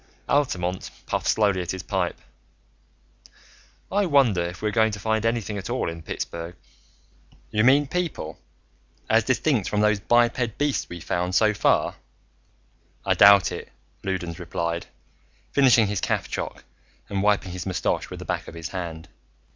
Altamont puffed slowly at his pipe. "I wonder if we're going to find anything at all in Pittsburgh." "You mean people, as distinct from those biped beasts we've found so far? I doubt it," Loudons replied, finishing his caffchoc and wiping his mustache with the back of his hand.